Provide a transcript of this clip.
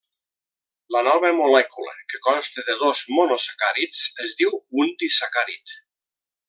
La nova molècula que consta de dos monosacàrids es diu un disacàrid.